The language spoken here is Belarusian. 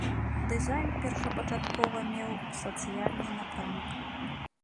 Дызайн першапачаткова меў сацыяльны напрамак.